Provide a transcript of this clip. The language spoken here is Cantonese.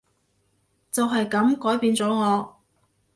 就係噉改變咗我